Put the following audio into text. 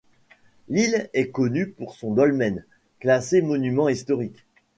L'île est connue pour son dolmen, classé monument historique.